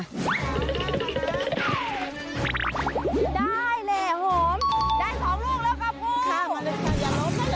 ได้แหละผมได้สองลูกแล้วกับครูข้ามันเลยค่ะอย่าล้มนะอย่าล้มนะ